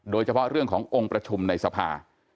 โดยเฉพาะเรื่องขององค์ประชุมในสภา